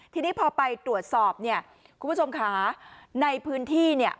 ทีนี้พอไปตรวจสอบเนี่ยคุณผู้ชมค่ะในพื้นที่เนี่ย